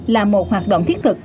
là một hoạt động thiết thực